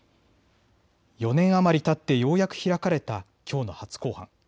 ４年余りたってようやく開かれたきょうの初公判。